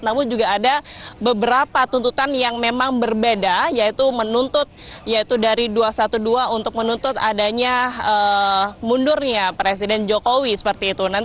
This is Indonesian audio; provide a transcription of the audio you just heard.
namun juga ada beberapa tuntutan yang memang berbeda yaitu menuntut yaitu dari dua ratus dua belas untuk menuntut adanya mundurnya presiden jokowi seperti itu